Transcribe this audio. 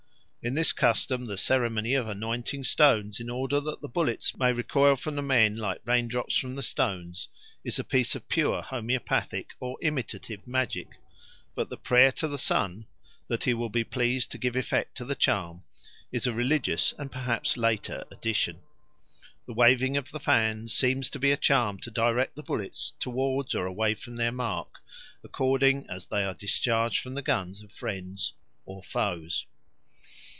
In this custom the ceremony of anointing stones, in order that the bullets may recoil from the men like raindrops from the stones, is a piece of pure homoeopathic or imitative magic; but the prayer to the sun, that he will be pleased to give effect to the charm, is a religious and perhaps later addition. The waving of the fans seems to be a charm to direct the bullets towards or away from their mark, according as they are discharged from the guns of friends or foes.